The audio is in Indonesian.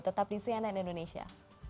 tetap di cnn indonesia